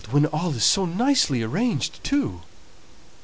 when all is so nicely arranged too."